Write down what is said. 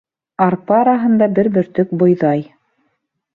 Арпа араһында бер бөртөк бойҙай.